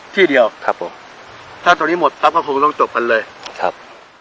ที่เดียวครับผมถ้าตรงนี้หมดปั๊บก็คงต้องจบกันเลยครับ